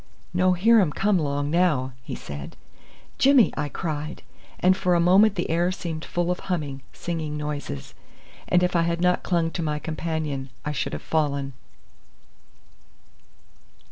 "No hear um come 'long now," he said. "Jimmy!" I cried; and for a moment the air seemed full of humming, singing noises, and if I had not clung to my companion I should have fallen.